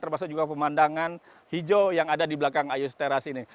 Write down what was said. termasuk juga pemandangan hijau yang ada di belakang ayu teras ini